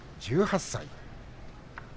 １８歳。